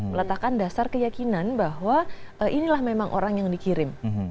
meletakkan dasar keyakinan bahwa inilah memang orang yang dikirim